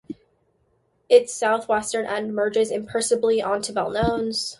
Its southwestern end merges imperceptibly into Belleknowes.